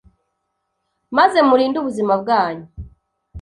maze murinde ubuzima bwanyu